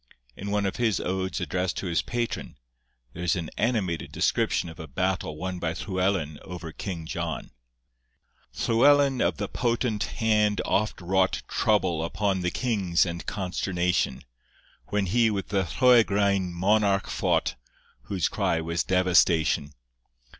In one of his odes addressed to his patron, there is an animated description of a battle won by Llywelyn over King John: 'Llywelyn of the potent hand oft wrought Trouble upon the kings and consternation; When he with the Lloegrain monarch fought, Whose cry was "Devastation!"